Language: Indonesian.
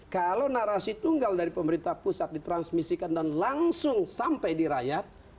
kalau narasi tunggal dari pemerintah pusat ditransmisikan dan langsung sampai di rakyat